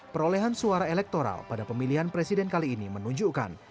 perolehan suara elektoral pada pemilihan presiden kali ini menunjukkan